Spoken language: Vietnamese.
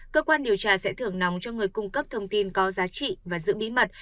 cơ quan điều tra sẽ thưởng nòng cho người cung cấp thông tin có giá trị và giữ bí mật